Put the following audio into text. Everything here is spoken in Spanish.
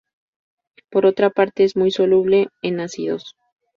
Por otra parte, es muy soluble en ácidos.